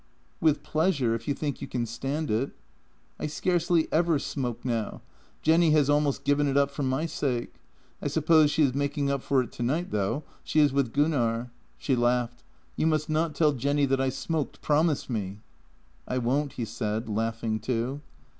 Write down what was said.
" With pleasure, if you think you can stand it." " I scarcely ever smoke now. Jenny has almost given it up for my sake. I suppose she is making up for it tonight, though. She is with Gunnar." She laughed. " You must not tell Jenny that I smoked, promise me." " I won't," he said, laughing too.